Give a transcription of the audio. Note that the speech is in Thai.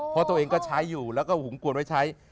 เพราะตัวเองก็ใช้อยู่แล้วก็หุงกวนไว้ใช้